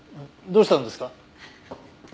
どうしたんですか？